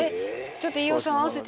ちょっと飯尾さん合わせてみて。